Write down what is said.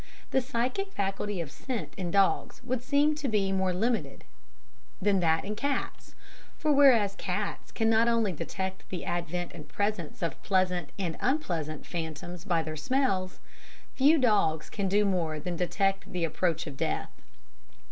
The psychic faculty of scent in dogs would seem to be more limited than that in cats; for, whereas cats can not only detect the advent and presence of pleasant and unpleasant phantoms by their smells, few dogs can do more than detect the approach of death.